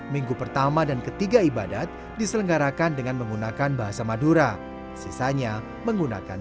minggu pertama dan ketiga ibadat diselenggarakan dengan menggunakan bahasa madura sisanya menggunakan